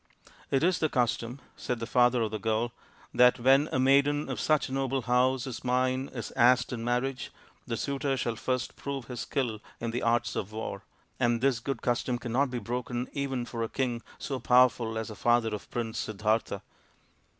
"It is the custom," said the father of the girl, " that when a maiden of such a noble house as mine is asked in marriage, the suitor shall first prove his skill in the arts of war, and this good custom cannot be broken even for a king so powerful as the father of Prince Siddartha.